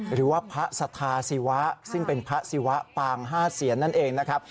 หรือว่าพระสัทธาศิวะซึ่งเป็นพระศิวะปาง๕เสียนนั่นเองนะครับ